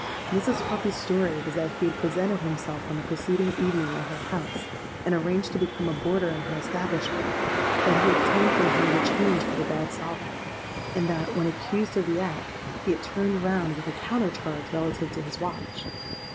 Mrs. Harpy's story was that he had presented himself on the preceding evening at her house, and arranged to become a boarder in her establishment; that he obtained from her the change for the bad sovereign; and that, when accused of the act, he had turned round with a counter charge relative to his watch.